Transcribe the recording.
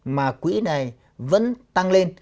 mà quỹ này vẫn tăng lên